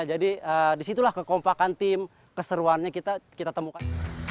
jadi di situlah kekompakan tim keseruannya kita temukan